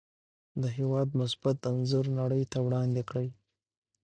د هېواد مثبت انځور نړۍ ته وړاندې کړئ.